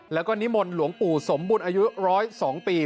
แล้วก็นิมนต์หลวงปู่สมบุญอายุ๑๐๒ปี